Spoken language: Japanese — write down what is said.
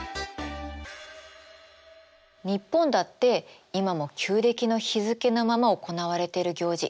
日本だって今も旧暦の日付のまま行われている行事あるからね。